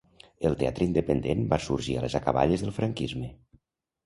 El teatre independent va sorgir a les acaballes del franquisme.